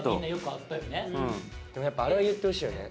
でもやっぱあれは言ってほしいよね。